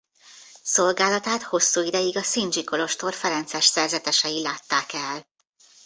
Szolgálatát hosszú ideig a sinji kolostor ferences szerzetesei látták el.